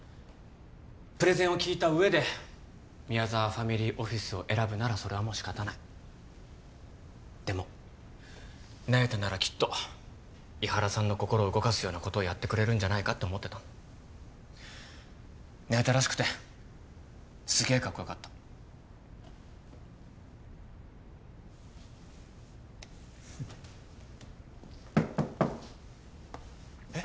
プレゼンを聞いた上で宮沢ファミリーオフィスを選ぶならそれはもう仕方ないでも那由他ならきっと伊原さんの心を動かすようなことをやってくれるんじゃないかって思ってた那由他らしくてすげえかっこよかったえっ？